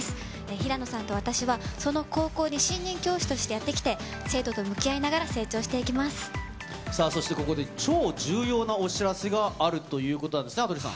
平野さんと私は、その高校に新任教師としてやって来て、生徒と向き合いながら、さあ、そしてここで超重要なお知らせがあるということなんですね、羽鳥さん。